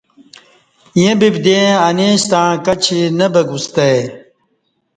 ییں ببدیں انے ستݩع کچی نہ بہ گستای